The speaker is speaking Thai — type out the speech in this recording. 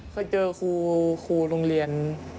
เคยเจอครูโรงเรียน